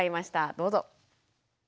どうぞ。